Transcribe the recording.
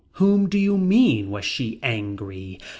Whom do you mean was she angry.